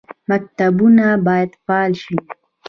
مکتبونه باید فعال شي